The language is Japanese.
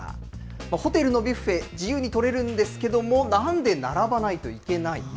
ホテルのビュッフェ、自由に取れるんですけれども、なんで並ばないといけないの？